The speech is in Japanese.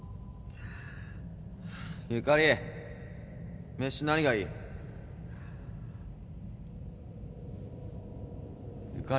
ゆかり飯何がいい？ゆかり。